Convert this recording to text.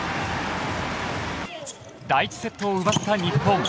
第１セットを奪った日本。